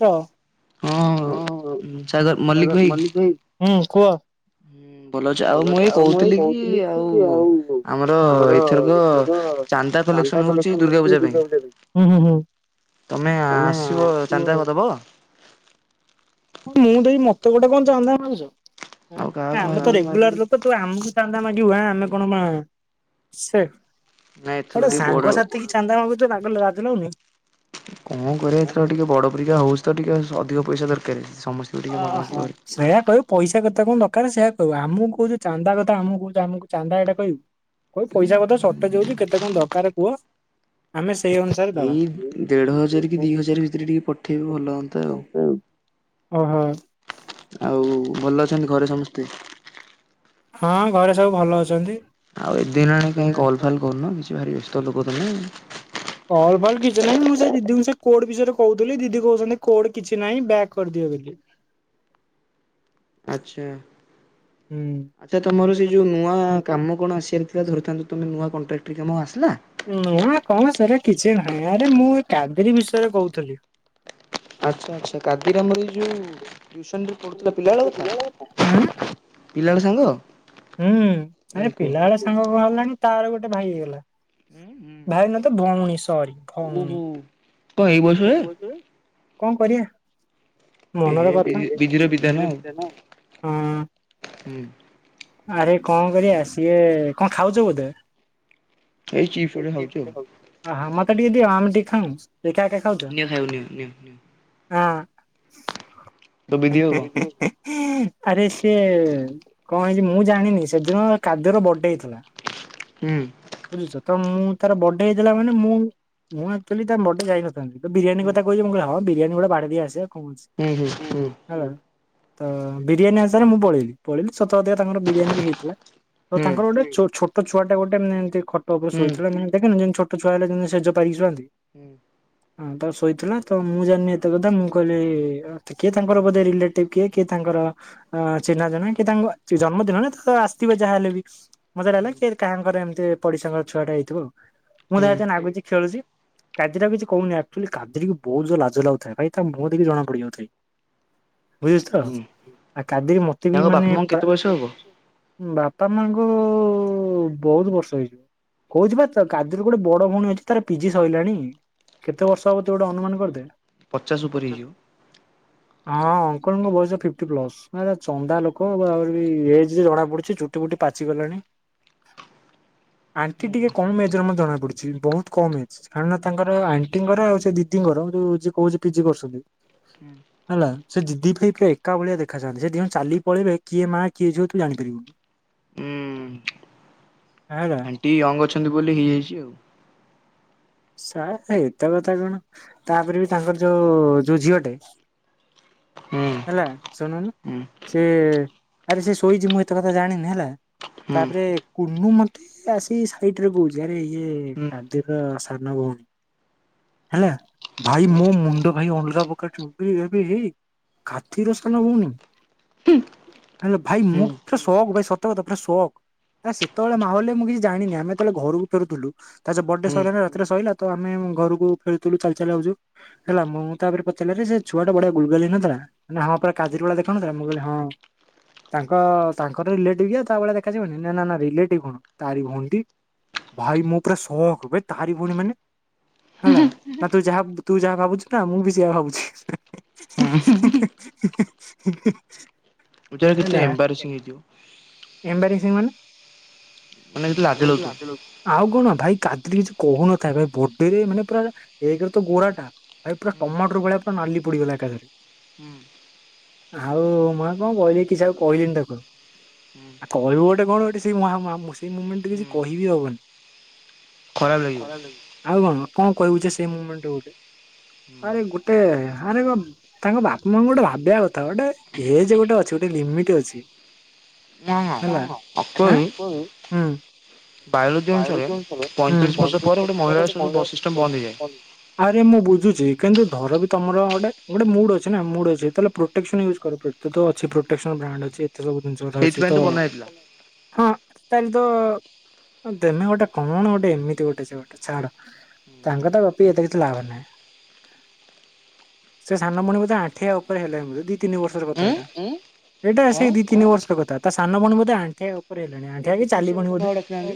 ହଁ ହଁ ସାଗର ଭାଇ ମଲ୍ଲିକ ଭାଇ। କୁହ। ହୁଁ। ଭଲ ଅଛି ଆଉ ମୁଇଁ କହୁଥିଲି କି ଆଉ ଆମର ଏଥରକ ଚାନ୍ଦା କଲେକ୍ସନ ହେଉଛି ଦୁର୍ଗା ପୂଜା ପାଇଁ ହୁଁ ହୁଁ ହୁଁ। ତମେ ଆସିବ ଚାନ୍ଦାଦବ। ମୁଁ ଦେଇ ମତେ ଗୋଟେ କଣ ଚାନ୍ଦା ମାଗୁଛ। ଆଉ କାହାକୁ ଆମେ ତ କାହାକୁ ରେଗୁଲାର ଲୋକ। ତ ଆମ ଚାନ୍ଦା ମାଗିବୁ ଆ ଆମେ କଣ ସେ ନାଇଁ ଏଥର ଗୋଟେ ଟିକେ ବଡ ସାଙ୍ଗସାଥି କି ଚାନ୍ଦା ମାଗୁ ଆଗ ରାଜ ଲାଗୁନି। କଣ କରିବା ଏଥରକ ଟିକେ ବଡ ପରିକ୍ଷା ହଉଛି ତ ଟିକେ। ଅଧିକ ପଇସା ଦରକାରେ। ଅହୋ ଶ୍ରେୟା କହିବୁ ପଇସା କଥା କଣ ର ଦରକାରେ ସେୟା କହିବୁ। ଆମକୁ କହୁଛୁ ଚାନ୍ଦା କଥା ଆମକୁ କହୁଛୁ ଆମକୁ ଚାନ୍ଦ ଏଇଟା କହିବୁ। କୁ ପଇସା କଥା ସର୍ଟେଜ୍ ହୋଉଛି କେତେ କଣ ଦରକାର କୁହ। ଆମେ ସେଇ ଅନୁସାରେ ଦବା। ଏଇ ଦେଢ ହଜାର କି ଦୁଇ ହଜାର ଭିତରେ ଟିକେ ପଠେଇବେ ଭଲ ହୁଅନ୍ତା ଆଉ। ଓହୋ। ଆଉ ଭଲ ଅଛନ୍ତି ଘରେ ସମସ୍ତେ। ହଁ ଘରେ ସବୁ ଭଲ ଅଛନ୍ତି। ଆଉ ଏଦିନ ଆଣଣି କାହିଁ କଲ୍ ଫାଲ କରୁନ। କିଛି ଭାରି ବ୍ୟସ୍ତ ଲୋକ ହୁଁ। ଭଲ୍ ଭଲ୍ କିଛି ନାହିଁ ମୁଁ ସେ ଦିଦିଙ୍କୁ ସେ କୋଡ୍ ବିଷୟରେ କହୁଥିଲି। ଦିଦି କହୁଛନ୍ତି କୋଡ୍ କିଛି ନାହିଁ ବ୍ୟାକ୍ କରିଦିଅ ବୋଲି। ଆଚ୍ଛା ହୁଁ। ଆଚ୍ଛା ତମର ସେ ଯୋଉ ନୂଆ କାମ କଣ ଆସିବାର ଥିଲା ଧରିଥାନ୍ତୁ। ତମେ ନୂଆ କଣ୍ଟ୍ରାକ୍ଟର ପ୍ରିକା ମଁ ଆସିଲା। ନୂଆ କଣ ସରେ କିଛି ନାହିଁ। ଆରେ ମୁଁ ଏ କାଗିରୀ ବିଷୟରେ କହୁଥିଲି। ଆଚ୍ଛା ଆଚ୍ଛା କାଦିରାମର ଯୋଉ ଟ୍ୟୁସନ ରେ ପଢୁଥିଲା ପିଲାବେଳ ଉଁ କଥା। ପିଲାଳ ସାଙ୍ଗ। ହୁଁ ଆରେ ହୁଁ କୁହ। ପିଲା ବେଳେ ସାଙ୍ଗ କହାର ଲାଣି। ତାର ଗୋଟେ ଭାଇ ହେଇଗଲା। ଭାଇନା ତ ଭଉଁଣି ସରି ଭଉଁଣି। ତ ଏଇ ବଛୁ କଣ କରିବା ଏହେ ମନରେ ବିଜି ବିଜିର ବିଧାନ ଆଉ। ହଁ ହୁଁ। ଆରେ କଣ କରିବା ସିଏ କଣ ଖାଉଛ ବୋଧେ ଏଇ ଚିପସଡ ଖାଉଛି ଅହଁ ଆଉ ମତେ ଟିକେ ଦିଅ ଆମ ଟିକେ ଖାଉ ଏକା ଏକା ଖାଉଛ ନି ଖାଇ ନି ନି ନି ହଁ ତ ବିିଦିଅ କ ଆରେ ସେ କଣ ହେଇଛି ମୁଁ ଜାଣିନି ସେଦିନ କାଦ୍ୟର ବର୍ଡେ ହେଇଥିଲା ହୁଁ ବୁଝୁଛ ତ ମୁଁ ତାର ବର୍ଡେ ହେଇଥିଲା ମାନେ ମୁଁ ମୁଁ ଆଚୁଆଲି ତାର ବର୍ଡେ ଯାଇନଥିଲି ତ ବିରିୟାନ ହୁଁ କଥା କହିହୁିବ କ ହଁ ବିୟାନୀ ଗଡା ବାା ଦେଇ ଆସେ ହୁଁ ହୁଁ ହୁଁ ହୁଁ କଛିଁଲା ତ ବିରିୟାନୀ ଅନୁସାରେ ମୁଁ ପଳେଇଲିି ପଳେଇି ସତଧ ତାଙ୍କର ବିରିୟାନୀ ବି ହେଇଥିଲା ତ ହୁଁ। ତାଙ୍କର ଗୋଟେ ଛୋଟ ତ ଛୁଆା ଗୋଟେ ଏମ ଏତି ଫଟୋ ଉପରେ ହୁଁ ଶୋଇଥିଲା ମାନ ଦେଖ ଯେଛ ତ ଛୁଆ ହେ ଯେି ସେେ ପାରିଛନ୍ତି ହୁଁ ହଁ ତ ଶୋଇଥିଲା ତ ମୁଁ ଜାଣିନି ଏତେ କଥା ମୁଁ କହିଲି କିଏ ହୁଁ ତାଙ୍କର ବୋିଲେଟ କିଏ କିଏ ତାଙ୍କର ଅ ଚିହ୍ନା ଜଣ ତାଙ୍କ ଜନ୍ମଦିନ ନା ତ ଆସିଥିବ ଯାହାହଲେ ବି ମଜୋହଲାାାଙ୍କର ଏମତି ତ ପଡି ସାଙ୍ଗ ଛୁଆଟା ହେଇଥିବ ମୁଁ ହୁଁ ତ ଏତ ନାଗୁଛି ଖେଳୁଛି। କାଜିରା କିଛି କହୁନି ଆକ୍ଚୁଆଲି କାଦରିକି ବହୁତ ଜୋରେ ଲାଜ ଲାଗୁଥାଏ ଭାଇ ତା ମୁହଁ ଦେକି ଜଣା ପଡିଯାଉଥଏ। ବୁଝୁଛ ତ ହୁଁ। ଆ କାଦି ମତେ ବି ତାଙ୍କ ବାପା ମାନେ ମାଙ୍କୁ କେତେ ବୟସ ହେବ। ବାପା ମାଙ୍କ ବହୁତ ବର୍ଷ ହେଇଯିବ କହୁଛିବା ତ କାଜୁର ଗୋଟେ ବଡ ଭଉଣୀ ଅଛି ତାର ପିଜି ସରିଲାଣି କେତେ ବର୍ଷ ହବ ତୁ ଗୋଟେ ଅନୁମାନ କରିଦେ। ପଚାଶ ଉପରେ ହେଇଯିବ। ହଁ ଅଙ୍କଲଙ୍କ ବୟସ ଫିଫ୍ଟି ପ୍ଲସ୍ ଚନ୍ଦା ଲୋକ କଣ ବା ଆହୁରି ଏଜବି ଜଣା ପଡୁଛି ଚୁଟି ଫୁଟି ପାଚିଗଲାଣି। ଆଣ୍ଟି ଟିକେ କମ୍ ଏଜର ମତେ ଜଣା ପଡୁଛି ବହୁତ କମ ଏଜ କାରଣ ତାଙ୍କର ଆଣ୍ଟିଙ୍କର ଆଉ ସେ ଦିଦିଙ୍କର ଯୋଉ ଯିଏ କହୁଛି ପିଜି କରୁଛନ୍ତି ହେଲା ସେ ଜିଦି ଭାଇ ଏକା ଭଳିଆ ଦେଖାଯାନ୍ତି ସେ ଦିଇ ଜଣ ଚାଲି ପଳେଇବେ କିଏ ମା କିଏ ଝିଅ ତୁ ଜାଣିପାରିବୁନୁ। ହୁଁ ହେଲା ଆଣ୍ଟି ୟଙ୍ଗ ଅଛନ୍ତି ବୋଲି ହେଇଯାଇଛି ଆଉ। ସାର୍ ଏତେ କଥା କଣ ତାପରେ ବି ତାଙ୍କର ଯୋଉ ଯୋଉ ଝିଅଟେ। ହୁଁ ହେଲା ଶୁଣୁନି। ହୁଁ ସେ ଆରେ ସେ ଶୋଇଛି ମୁଁ ଏତେ କଥା ଜାଣିନି ହେଲା ହୁଁ ତାପରେ କୁନୁ ମତେ ଆସି ସାଇଟରେ କହୁଛି ଆରେ ଇଏ ହୁଁ ଆଦି ର ସାନ ଭଉଣୀ ହେଲା ଭାଇ ହୁଁ ମୋ ମୁଣ୍ଡ ଭାଇ ଅଲଗା ପ୍ରକାର ଚୁଟି ଆବେ ଏ ଖାତୀର ସାନ ଭଉଣୀ ତାହା ହେଲେ ଭାଇ ମୁଁ ହୁଁ ପୁରା ସକ୍ ଭାଇ ସତ କଥା ପୁର ସକ୍ ହେଲା ସେତେବେଳେ ମାହଲରେ ମୁଁ କିଛି ଜାଣିନି ଆମେ ଯେତେବେଳେ ଘରକୁ ଫେରୁଥିଲୁ ତା ବର୍ଥଡେ ହୁଁ ସରିଲା ରେ ସରିଲା ତ ଆମେ ଘରକୁ ଫେରୁଥିଲୁ ଚାଲି ଚାଲି ଆଉଛୁ ହେଲା ମୁଁ ତାପରେ ପଚାରିଲି ଆରେ ସେ ଛୁଆ ଟା ବଢିଆ ଗୁଲଗାଲିଆ ନଥିଲା ନା ହଁ ପରା କାଜରି ଭଳିଆ ଦେଖା ଯାଉନଥିଲା ମୁଁ କହିଲି ହଁ ତାଙ୍କ ତାଙ୍କର ରିଲେଟିଭ ତା ଭଳିଆ ଦେଖାଯିବନି ନା ନା ରିଲେଟିଭ କଣ ତାରି ଭଉଣୀ ଟି ଭାଇ ମୁଁ ପୁରା ସକ୍ ବେ। ତାରି ଭଉଣୀ ମାନେ ହେଲା ନା ତୁ ଯାହା ତୁ ଯାହା ଭାବୁଛୁ ନା ମୁଁ ବି ସେୟା ଭାବୁଛି। ହୁଁ ବିଚାରି କେତେ ଏମ୍ବାରେସିଙ୍ଗ ହେଇଥିବ। ଏମ୍ବାରେସିଙ୍ଗ ମାନେ? ମାନେ କେତେ ଲାଜ ଲାଗୁଥିବ। ଆଉ କଣ ଭାଇ କାଦ୍ରି କିଛି କହୁନଥାଏ ବେ ବଡେରେ ମାନେ ପୁରା ଏକରେ ତ ଗୋରାଟା ଭାଇ ପୁରା ହୁଁ ଟମାଟୋର ଭଳିଆ ପୁରା ନାଲି ପୋଡିଗଲା ଏକାବେଳେ ହୁଁ ଆଉ ମୁଁ ଆଉ କଣ କହିଲି କିଛି ଆଉ କହିଲିନି ତାକୁ ହୁଁ ଆଉ କହିବୁ ଗୋଟେ କଣ ଗୋଟେ ସେଇ ମୁହା ମହା ସେଇ ମୁମେଣ୍ଟରେ କିଛି ହୁଁ କହିବି ହବନି। ଖରାପ ଲାଗିବ ଆଉ କଣ? କଣ କହିବୁ ଯେ ସେ ମୁମେଣ୍ଟରୁ ଆରେ ଗୋଟେ ଆରେ ଗୋ ତାଙ୍କ ବାପା ମାଙ୍କୁ ଗୋଟେ ଭାବିବା କଥା ଗୋଟେ ଏଜ ଗୋଟେ ଅଛି ଗୋଟେ ଲିମିଟ ଅଛି ହେଲା। ଆଁ ଅଙ୍କଲ ବି ହୁଁ। ପଇଁଚାଳିଶ ବର୍ଷ ପରେ ଗୋଟେ ମହିଳାର ସବୁ ବସ୍ ସିଷ୍ଟମ୍ ବନ୍ଦ ହେଇଯାଏ। ଆରେ ମୁଁ ବୁଝୁଛି। କିନ୍ତୁ ଧର ବି ତମର ଗୋଟେ ଗୋଟେ ମୁଡ ଅଛି ନା ମୁଡ ଅଛି ତାହେଲେ ପ୍ରୋଟେକ୍ସନ ୟୁଜ୍ କର କେତେ ତ ଅଛି ପ୍ରୋଟେକ୍ସନ ବ୍ରାଣ୍ଡ ଅଛି। ଏ ସବୁ ଜିନିଷ ଗୋଟେ ଅଛି ତ ସେଇଥିପାଇଁ ବନା ହେଇଥିଲା ହଁ। ତାହେଲେ ତ ତମେ ଗୋଟେ କଣ ଗୋଟେ ଏମିତି ଗୋଟେ ଯେ ଗୋଟେ ଛାଡ ତାଙ୍କ କଥା ଗପିକି ଏତେ କିଛି ଲାଭ ନାହିଁ ସେ ସାନ ଭଉଣୀ ବୋଧେ ଆଣ୍ଠିଆ ଉପରେ ହେଲାଣି ବୋଧେ ଦି ତିନି ବର୍ଷର କଥା ଉଁ ଏଇଟା ଏଇଟା କଣ ସେ ଦି ତିନି ବର୍ଷର କଥା ତା ସାନ ଭଉଣୀ ବୋଧେ ଏବେ ଆଣ୍ଠିଆ ଉପରେ ହେଲାଣି। ଏ ଏକୋଇଶିଆ ଚାଲିବଣି ଗୋଟେ ବୋଧେ କାହାକୁ ଡାକିନାହାନ୍ତି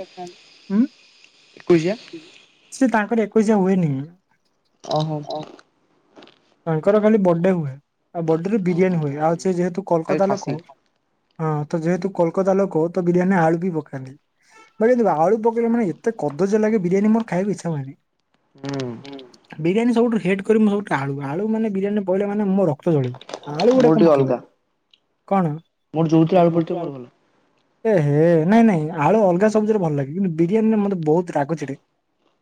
ଏକୋଇଶିଆ ସେ ତାଙ୍କର ଏକଉଷୀୟା ହୁଏନି। ଅହମ ତାଙ୍କର ଖାଲି ବଡେ ହୁଏ। ଆଉ ବର୍ଡରେ ଓହୋ ବିରିୟାନୀ ହୁଏ ଆଉ ସେ ହୁଁ ଯେହେତୁ ଖାଲି କୋଲକାତା ଲୋକ ଖାସି। ହଁ। ତ ଯେହେତୁ କୋଲକତା ଲୋକ ତ ବିରିୟାନୀ ଆଳୁ ବି ପକାନ୍ତି ମାନେ ଆଳୁ ହୁଁ ପକେଇଲେ ମାନେ ଏତେ କଦଜ୳ ଲାଗେ ବିରିୟାନୀ ମୋର ଖାଇକୁ ଇଚ୍ଛା ହୁଏନି। ହୁଁ ବିରିୟାନୀ ସବୁଠୁ୍ ହେଟ କରେ ମୁଁ ଆଳୁ ଆଳୁ ମାନେ ବିରିୟାନୀ ପଇଲେ ମାନେ ମୋ ରକ୍ତ ଜଳେ। ଆଳୁ ଗୋଟେ ମୋର କଣ ଟିକେ ପକେଇବ, ଅଲଗା କଣ ମୋର ମୁଁ ଆଳୁ ପଡିଥିବ ମୋର ଯୋଉଥିରେ ଭଲ। ଏ ହେ ନାଇଁ ନାଇଁ ଆଳୁ ଅଲଗା ସବଜି ରେ ଭଲଲାଗେ। କିନ୍ତୁ ବିରିୟାନୀରେ ମୋତେ ବହୁତ ରାଗ ଚିଡେ।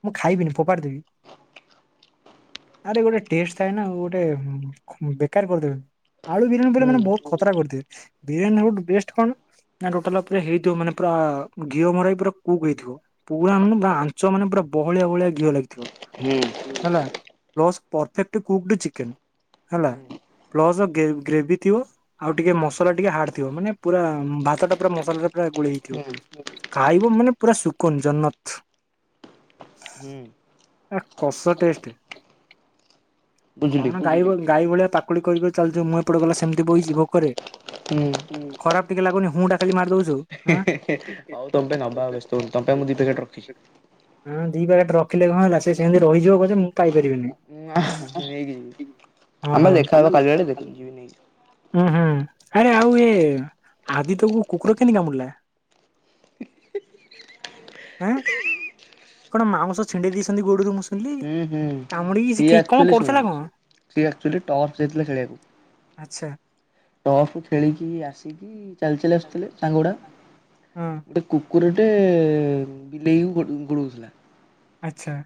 ମୁଁ ଖାଇବିନି ଫୋପାଡି ଦେବି। [inaudible] ଆରେ ଗୋଟେ ଟେଷ୍ଟ ଥାଏ ନା ଗୋଟେ ବେକାର କରିଦେବେ। ଆଳୁ ବିରିଆନୀ ରେ ପଡିଲେ ହୁଁ ମାନେ ବହୁତ ଖତରା କରିଦିଏ। ବିରିୟାନୀ ର ଆଉ ଗୋଟେ ବେଷ୍ଟ କଣ ଟୋଟାଲ ଉପରେ ହେଇଥିବ ମାନେ ପୁରା ଘିଅ ମରା ହେଇକି ପୁରା କୁକ୍ ହେଇଥିବ। ପୁରା ପୁରା ଆଞ୍ଚ ମାନେ ପୁରା ବହଳିଆ ବହଳିଆ ଘିଅ ଲାଗିଥିବ ହୁଁ ହେଲା। ପ୍ଲସ ପ୍ରଫେକଟ୍ କୁକଡ ଚିକେନ ହେଲା ହୁଁ ପ୍ଲସ ଗ୍ରେଭି ଥିବ ଆଉ ଟିକେ ମସଲା ଟିକେ ହାର୍ଡ ଥିବ। ମାନେ ପୁରା ଭାତ ଟା ପୁର ମସଲା ଦିହେରେ ଗୋଳେଇ ହେଇ ଖାଇବ ମାନେ ପୁରା ସୁକନ ଜନତ ହୁଁ [inaudible] ହଁ କସ ଟେଷ୍ଟ [inaudible] ବୁଝିଲି କଣ ଗାଈ ଗାଈ ଭଳିଆ ପାକୁଳି କରି କରି ଚାଲିଛ ମୁଁ ଏପଟେ ଗଲା ସେମିତି ବଇଛି ଭୋକରେ ହୁଁ [inaudible] ଖରାପ ଟିକେ ଲାଗୁନି ହୁ ଟ଼ା ଖାଲି ମାରି ଦଉଚୁ। ହଁ ହଉ ତମ ପାଇଁ ନବା ଆଉ ବ୍ୟସ୍ତ ହୁଅନି ତମ ପାଇଁ ମୁଁ ଦି ପ୍ୟାକେଟ ରଖଛି। ହଁ ଦି ପେକେଟ ରଖିଲେ କଣ ହେଲା ସେ ସେମିତି ରହିଯିବ ପଛେ ମୁଁ ପାଇପାରିବିନି। ନେଇକି ଯିବି [inaudible] ଆମେ ଓହୋ ଦେଖାହବ କାଲି ବେଳେ ଦେଖୁ ଯିବି ନେଇଯିବି ଉୁଁ ହୁଁ ଆରେ ଆଉ ଏ ଆଦିତ୍ୟକୁ କୁକୁର କେମିତି କାମୁଡ଼ିଲା। [inaudible] ଆଁ କଣ ମାଉଁସ ଛିଣ୍ଡେଇ ଦେଇଛନ୍ତି ଗୋଡରୁ ମୁଁ ଶୁଣିଲି ହୁଁ ହୁଁ କାମୁଡିକି ସେ ସିଏ କି କଣ ଆଚ୍ୟୁଲି ଶୁଣୁ କରୁଥିଲା କଣ ସିଏ ଆଚ୍ୟୁଲି ଟର୍ଚ୍ଚ ଯାଇଥିଲା ଖେଳିବାକୁ ଆଚ୍ଛା [inaudible] ଟପକୁ ଖେଳିକି ଆସିକି ଚାଲି ଚାଲି ଆସୁଥିଲେ ସାଙ୍ଗ ଗୁଡା ହଁ ଗୋଟେ କୁ କୁକୁରଟେ ବିଲେଇକୁ ଗୋଡଉଥିଲା। ଆଛା।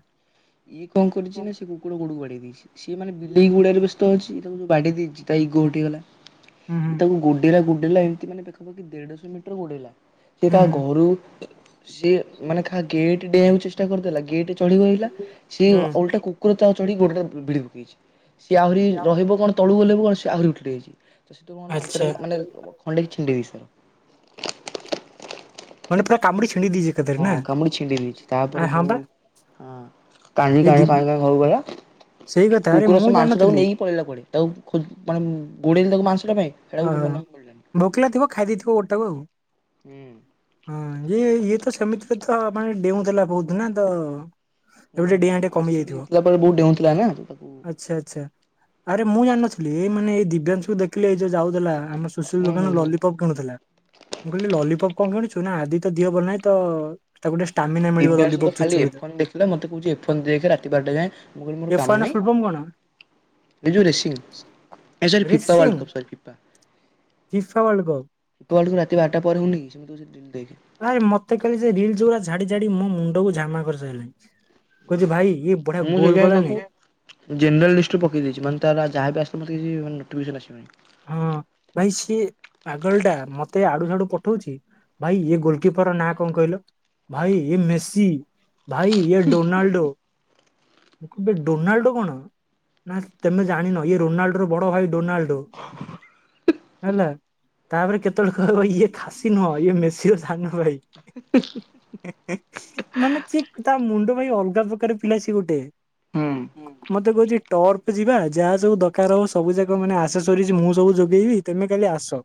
ଇଏ କଣ କରିଛି ନା ସେ କୁକୁର ଗୋଡକୁ ବାଡେଇଚି ଇଛି, ସିଏ ମାନ ବିଲେଇ ଗୁଡାରେ ବ୍ୟ ତ ଅଛି ଇଏ ତାକୁ ଯୋଉ ବାଡେଇ ଦେଇଛି ତଗୋ ହଟ ହେଇଗଲା। ଆଉ ହୁଁ ହୁଁ କରିବା । ତାକୁ ଗୁଡେଇିଲା ଗୁଡେଇିଲା ଏ ସେ ମାନେ ପାଖାପାଖି ଦେଢଶହ ମିଟର ଗୋଡେଇଲା ସେ ତା ହୁଁ ହୁଁ ଘରୁ ସିଏ ମାନେ କାହା ଗେଟ ଡେଇଁ ଆକୁ ଚେଷ୍ଟା କରିଥିଲା ଗେଟ୍ ଚଢିବ ସିଏ ହୁଁ ଓଲଟା କୁକୁର ତାର ଚଢି ଗୋଡଟା ଭିଡି ପକେଇଛି । ସିଏ ଆହୁରି ରହିବ କଣ ତଳୁ ଗଲେ କଣ ଆହୁରି ଉଠି ଯାଇଛି ତ ତୁ ମ ଆଚ୍ଛା ମାଂସର ମାନେ ଖଣ୍ଡେ ଛିଣ୍ଡେଇ ଦେଇଛି ତାର ମାନେ ପୁରା କାମୁଡି ଛି ହଁ କାମୁଡି ଛିଣ୍ଡି ଦେଇଛି ଆ ତାପରେ ହଁ ଯୋଉ ବା କା କା ଏ କା ଦି କା ଘ ଗଲା ସେଇ କଥା ଆରେ କୁକୁର ମୁଁ ସେ ମାଂସ ଟାକୁ ଜାଣିନଥିଲି ନେଇକି ପଳେଇଲା କୁଆଡେ ତାକୁ ମାନେ ଗୋଡେଇଲି ତାକୁ ମାଂସଟା ପାଇଁ ଅ ସେଟାକୁ ମାନେ ମିଳିଲାନି। ଭୋକିଲା ଥିବ ଖାଇଦେଇଥିବ । ପୋଟା ଆଉ ହୁଁ। ହଁ ଇୟ ତ ସେମିତି ତ ମାନେ ଡେଉଁ ଦେଲା ବହୁତ ନା ତ ଏବେ ହୁଁ ଟିକେ ଡିଆଁ ଟିକେ ଆ ର କମି ସି ବି ଯାଇଥିବ ଜିତିଲା ପରେ ବହୁତ ଡେଉଁଥିଲା ନା ତାକୁ ଆଚ୍ଛା ଆଚ୍ଛା ଆରେ ମୁଁ ଜାଣି ନଥିଲି ମାନେ ଏଇ ଦିବ୍ୟାଂଶକୁଙ୍କୁ ଦେଖିଲି ଯଉ ଯାଉ ଆମ ସୁଶୀ ହୁଁ ହୁଁ ଦୋକାନ ହୁଁ। ଲଲିପପ କିଣୁଥିଲା ମୁଁ କହିଲି ଲଲିପପ କଣ କିଣୁଛୁ ସୁୁନା ହଦି ତ ଦିଅ ଭଲ ନାଇଁ ତ ତାକୁ ଟିକେ ଷ୍ଟାମିନା ମିଳିବ ଦିବ୍ୟାଙ୍କ ସହିତ ଲଲିପପ୍ ଖାଲି ଚୁଚୁମିରେ ଏଫନ ଦେଖିଲା ମତେ କହୁଛି ଏଫନ ଦେଖେ ରାତି ବାରଟା ଯାଏଁ ମୁଁ କହିଲି ମୋର ଏଫ୍ ୱାନ୍ କାମ ର ନାହିଁ ଫୁଲ୍ ଫର୍ମ କଣ ଏ ଯୋଉ ରେସିଙ୍ଗ ନା sorry racing world cup FIFA world cup କୁ ବେଳକୁ ରାତି ବାରଟା ପରେ ହଉନି କି ଦେଖ ଆରେ ମୋତେ କାଲି ସେ ରିଲସ ଯୋଉା ଝାଡି ଝାଡି ମୋ ମୁଣ୍ଡକୁ ଝାମା କରିସାରିଲାଣି । ମୁଁ ସେଇ ଯଏ କଲାନି କାକୁ ଜେନେରାଲ ଲଷ୍ଟ ପକେଇ ଦେଇଛି ମାନେ ତାର ଯାହାବ ଆ ତୋତେ କିଛି ବି ନୋଟିଫିକସନ୍ ଆସିବନି । ହଁ ଭାଇ ସିଏ ପାଗଳ ଟା ମତେ ଆଡୁ ସଡୁ ପଠଉଛି ଭାଇ ଗୋଲକିପର ର ନାଁ କଣ କହିଲ ଭାଇ ଇଏ ମେସି ଭାଇ ୟ ଡୋନାଲ୍ଡୋ ମୁଁ କିବ ଡୋନାଲ୍ଡୋ କଣ ନା ତମେ ଜାଣିନ ଇଏ ରୋନାଲ୍ଡୋ ର ବଡ ଭାଇ ଡୋନାଲ୍ଡୋ । ହେଲା ତାପରେ କେତେବୋକ ଇଏ ଖାସି ନୁହ ଇଏ ମଶିବ ଧାନ ଭାଇ। [inaudible] ମାନେ ଠିକ ତା ମୁଣ୍ଡ ପାଇଁ ଅଲଗା ପ୍ରକାର ପିଲା ସ ଗୋଟେ ହୁଁ ମତେ କହୁଛି ଟର୍ପ ଯିବା ଯାହା ସବୁ ଦରକାର ହଉ ସବୁ ଯାକ ମାନେ ଆସ ରିଛି ମୁଁ ସବୁ ଯୋଗେଇବି ତମେ କାଲି ଆସ ।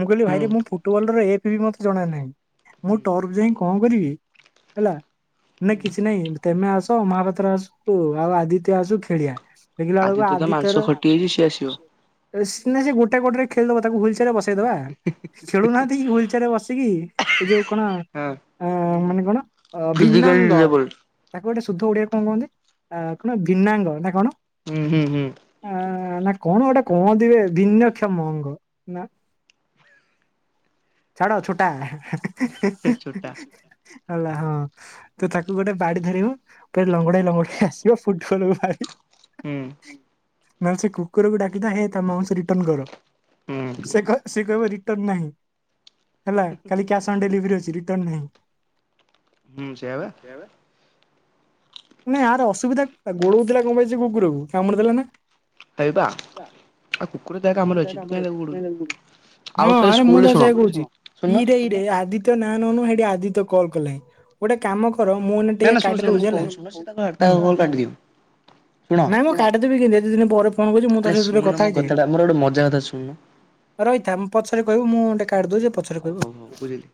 ମୁଁ କହିଲି ହୁଁ ଭାଇ ମୁ ଫୁଟବଲ ର ବି ମତେ ଜଣ ନାହିଁ ମୁଁ ହୁଁ ଟର୍ଫ ଯାଇ କଣ କରିବି ହେଲା ନା ହୁଁ କିଛି ନାଇଁ ତେମେ ଆସ ମହାପାତ୍ର ଆସୁ ଆଉ ଆଦିତ୍ୟ ଆସୁ ଖେଳିଆ । ଆଦିତ୍ୟ ତ ମାଂସ ଖଟି ହେଇଛି ସିଏ ଆସିବ । ସ ସେ ଗୋଟେ ଗଡରେ ଖେଳଦବା ତାକୁ ହୁଇଲଚ୍ୟାରରେ ବସ ଦେବା। ଖେଳୁନାହାନ୍ତି ହୁଲଚାରେ ବସିକି ଯୋଉ। କଣ ହଁ ହୁଁ ହୁଁ ମାନେ କଣ ଅ ଫିଜିକାଲି ଭିନ୍ନଙ୍ଗ ଡିସେବଲ୍ଡ ତାକୁ ଗୋଟେ ଶୁଦ୍ଧ ଓଡିଆ କଣ କହନ୍ତି ଅ କଣ ଭିନାଙ୍ଗ ନା କଣ? ହୁଁ ହୁଁ ହୁଁ। ଆ ନା କଣ ଗୋଟେ ପହ ଦିବେ ଭିନ୍ନକ୍ଷ ମଙ୍ଗ ନା ଛାଡ ଛୋଟା ଛୋଟା [unintelligible] ହେଲା ହଁ ତ ତାକୁ ଗୋଟେ ବାଡି ଧରିବୁ ପୁର ଲଙ୍ଗଡେଇ ଲଙ୍ଗଡେଇ ଆସିବ ଫୁଟବଲୁ ବାଡି ହୁଁ। ନହେଲେ ସେ କୁକୁର ବି ଡା ହେ ଏମାଉଟସ ରିଟର୍ନ ହୁଁ କରିବ ସେ ସେ କହିବ ରି ତ ନାହିଁ। ହେଲା କାଲି କ୍ୟାସ୍ ଅନ୍ ଡେଲିଭରି ଅଛି। ରିଟର୍ନ ନାହିଁ। ହୁଁ ସେଇଆବା ନ ଏହାର ଅସୁବିଧା ଗୋଡ ହଉଥିଲା କଣ ପାଇଁଛି କୁକୁରକୁ କାମୁଡି ଦେଥିଲା ନା ହେଇବା। ଆଉ କୁକୁର ତା କାମରେ ଅଛି ତୁ କାହିଁ ତାକୁ ଗୋଡଉଛୁ ଆଉ ହଁ ଥରେ ଆରେ ମୁଁ ସ୍କୁଲରେ ତ ଶୁଣ ଯ କହୁଛି ଶୁଣୁନ ଇରେ ଇ ଆଦିତ୍ୟ ନା ନନୁ ଆଦିତ୍ୟ କଲ୍ କଲେ ଗୋଟେ କାମ ମୁଁ ନା ଟିକେ ନା ଶୁଣ କାଟି ଶୁଣ ମୁଁ ଦଉଛି ହେଲା କହୁଛି ଶୁଣ ସେ ତାକୁ ତା କଲ୍ କାଟିଦିଅ ଶୁଣ ନାଇଁ ମୁଁ କାଟିଦବି ଦିନ ପରେ ଫୋ ଆରେ କରି ଦ ଶୁଣୁନ କଥା ମୋ ହେଇଯ କଥାଟା ମୋର ଗୋଟେ ମଜା କଥା ଶୁଣୁନ ରହିଥା ମୁଁ ପଛରେ କହିବୁ ମୁଁଣ୍ଡ କାର୍ଡ ଦ ଯ ପଛରେ ହଉ କହିବ ହଉ ହଉ ବୁଝିଲି।